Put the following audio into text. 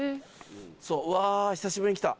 うわ久しぶりに来た！